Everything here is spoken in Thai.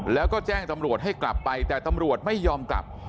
แล้วก็แจ้งตำรวจให้กลับไปแต่ตำรวจไม่ยอมกลับ